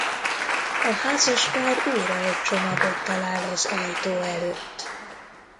A házaspár újra egy csomagot talál az ajtó előtt.